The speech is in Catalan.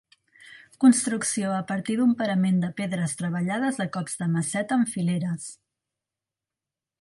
Construcció a partir d'un parament de pedres treballades a cops de maceta en fileres.